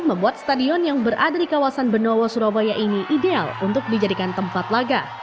membuat stadion yang berada di kawasan benowo surabaya ini ideal untuk dijadikan tempat laga